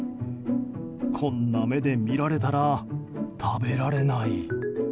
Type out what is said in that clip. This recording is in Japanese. こんな目で見られたら食べられない。